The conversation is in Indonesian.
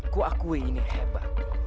kuakui ini hebat